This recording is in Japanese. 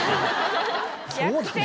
そうだね。